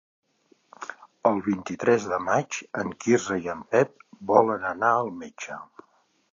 El vint-i-tres de maig en Quirze i en Pep volen anar al metge.